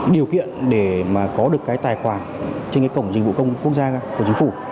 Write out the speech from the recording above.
điều kiện để mà có được cái tài khoản trên cái cổng dịch vụ công quốc gia của chính phủ